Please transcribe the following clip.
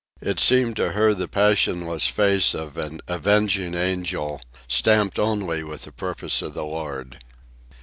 It seemed to her the passionless face of an avenging angel, stamped only with the purpose of the Lord.